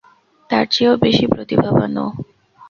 তারচেয়েও বেশি প্রতিভাবান ও।